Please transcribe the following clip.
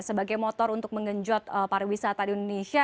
sebagai motor untuk mengenjot pariwisata di indonesia